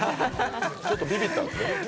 ちょっとビビったんですね。